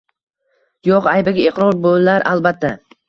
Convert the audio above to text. Yo’q aybiga iqror bo’lar, albatta